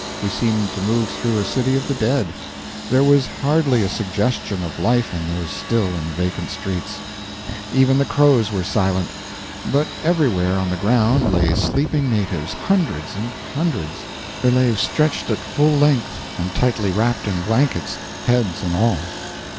We seemed to move through a city of the dead. There was hardly a suggestion of life in those still and vacant streets. Even the crows were silent. But everywhere on the ground lay sleeping natives hundreds and hundreds. They lay stretched at full length and tightly wrapped in blankets, heads and all.